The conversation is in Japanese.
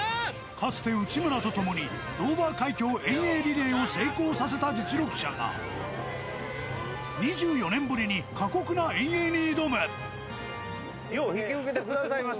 かつて、内村と共にドーバー海峡遠泳リレーを成功させた実力者が、２４年よく引き受けてくださいまし